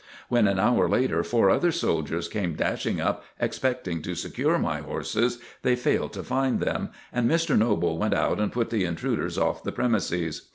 When an hour later four other soldiers came dashing up expecting to secure my horses, they failed to find them, and Mr. Noble went out and put the intruders off the premises.